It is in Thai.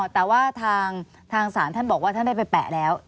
แต่ว่าทางศาลท่านบอกว่าท่านได้ไปแปะแล้ว